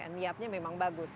niabnya memang bagus